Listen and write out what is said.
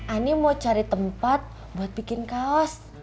ani mau cari tempat buat bikin kaos